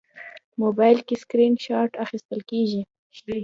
موبایل کې سکرین شات اخیستل کېږي.